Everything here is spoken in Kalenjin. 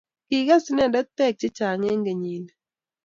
Kiges inendet bek chechang' eng kenyit ni.